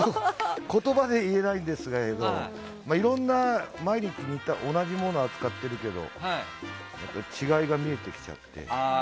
言葉で言えないんですけどいろんな毎日同じものを扱ってるけど違いが見えてきちゃって。